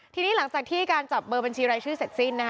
ทีนี้หลังจากที่การจับเบอร์บัญชีรายชื่อเสร็จสิ้นนะคะ